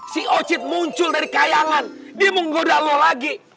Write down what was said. si ocit muncul dari kayangan dia menggoda lo lagi